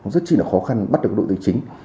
rất chi là khó khăn bắt được đối tượng chính